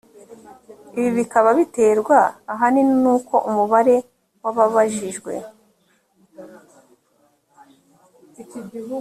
ibi bikaba biterwa ahanini n’uko umubare w’ababajijwe